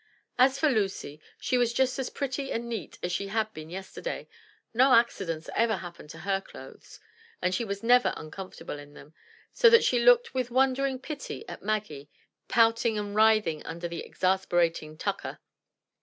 As for Lucy, she was just as pretty and neat as she had been yesterday; no accidents ever happened to her clothes, and she was never uncomfortable in them, so that she looked with wonder ing pity at Maggie, pouting and writhing under the exasperating tucker.